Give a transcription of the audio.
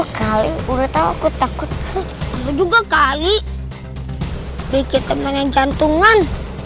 hai aduh kali udah tahu aku takut juga kali bikin temen jantungan